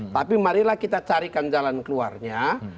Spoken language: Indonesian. tapi marilah kita carikan jalan keluarnya